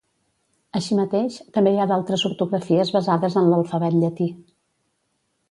Així mateix, també hi ha d'altres ortografies basades en l'alfabet llatí.